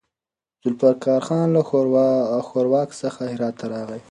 ذوالفقار خان له ښوراوک څخه هرات ته راغی.